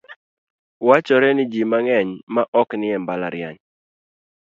Wachore ni ji mang'eny ma ok nie mbalariany.